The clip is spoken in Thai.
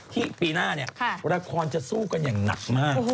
ปีหน้าเนี่ยละครจะสู้กันอย่างหนักมาก